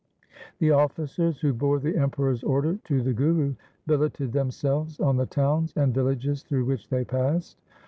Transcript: The officers who bore the Emperor's order to the Guru, billeted themselves on the towns and villages through which they passed.